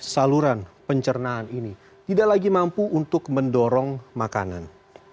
saluran pencernaan ini tidak lagi mampu untuk mendorong makanan